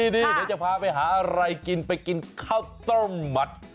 เดี๋ยวจะพาไปหาอะไรกินไปกินข้าวต้มมัด